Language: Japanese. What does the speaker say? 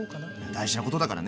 大事なことだからね。